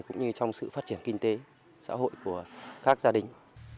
cũng như trong sự phát triển kinh tế xã hội của các gia đình